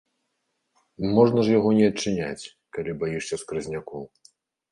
Можна ж яго не адчыняць, калі баішся скразнякоў.